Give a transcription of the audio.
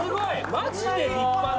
マジで立派な。